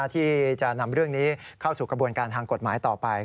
ที่จะนำเรื่องนี้เข้าสู่กระบวนการทางกฎหมายต่อไป